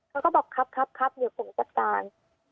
เขาก็บอกครับครับเดี๋ยวผมจัดการ